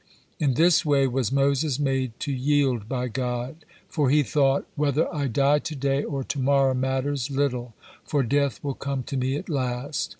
In this way was Moses made to yield by God, for he thought, "Whether I die to day or to morrow matters little, for death will come to me at last.